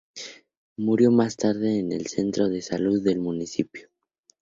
Murió más tarde en el centro de salud del municipio.